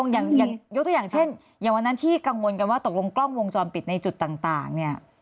ยกตัวอย่างเช่นอย่างวันนั้นที่กังวลกล้องวงจอมปิดในจุดต่าง